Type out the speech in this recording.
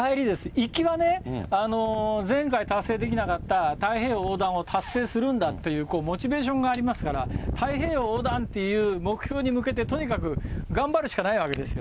行きはね、前回達成できなかった太平洋横断を達成するんだっていう、モチベーションがありますから、太平洋横断っていう目標に向けて、とにかく頑張るしかないわけですよ。